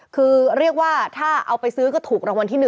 คือเรียกว่าถ้าเอาไปซื้อก็ถูกรางวัลที่๑